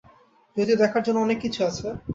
যদিও দেখার জন্য অনেক কিছু আছে।